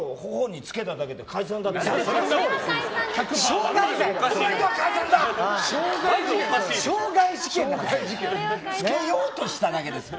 つけようとしただけですから。